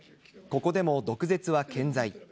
ここでも毒舌は健在。